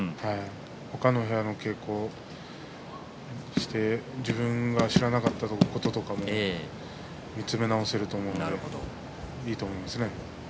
他の部屋の稽古をして自分が知らなかったこととか見つめ直せると思うのでいいと思いますね。